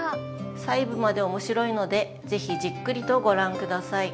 細部まで面白いので是非じっくりとご覧ください。